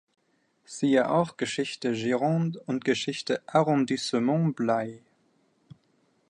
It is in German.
Siehe auch Geschichte Gironde und Geschichte Arrondissement Blaye.